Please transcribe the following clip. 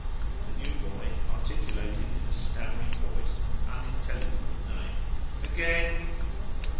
The new boy articulated in a stammering voice an unintelligible name. "Again!"